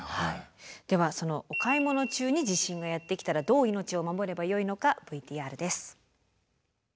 ではそのお買い物中に地震がやって来たらどう命を守ればよいのかＶＴＲです。